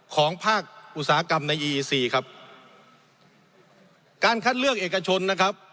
ของภาคอุตสาหกรรมในอีซีครับการคัดเลือกเอกชนนะครับ